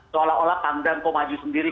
seolah olah panggang kok maju sendiri